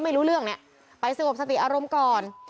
ไม่รู้เรื่องเนี่ยไปสงบสติอารมณ์ก่อน